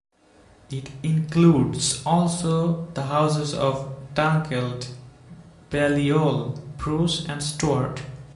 It includes also the Houses of Dunkeld, Balliol, Bruce, and Stewart.